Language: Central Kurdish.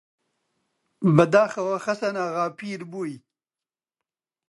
بەداخەوە خەسەناغا پیر بووی!